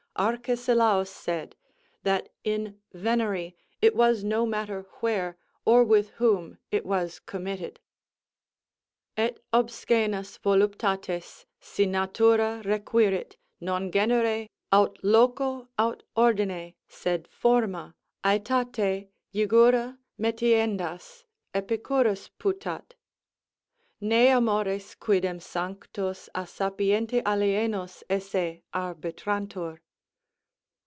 Arcesilaus said, "That in venery it was no matter where, or with whom, it was committed:" _Et obsccenas voluptates, si natura requirit, non genere, aut loco, aut ordine, sed forma, otate, jigurâ, metiendas Epicurus putat.... ne amores quidem sanctos a sapiente alienos esse arbitrantur....